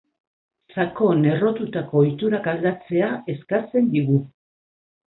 Sakon errotutako ohiturak aldatzea eskatzen digu.